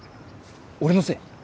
俺のせい？